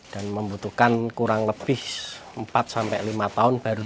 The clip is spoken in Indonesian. dan membutuhkan kurang lebih empat setengah orang